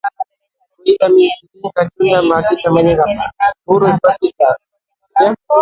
Cuyta minishtirin Kachunpa makita mañankapa.